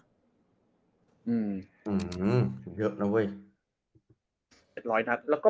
โหหหหหเห็นเยอะนะเว้ย